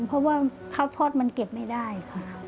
เพราะว่าข้าวทอดมันเก็บไม่ได้ค่ะ